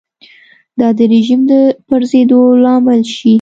دا د رژیم د پرځېدو لامل شي.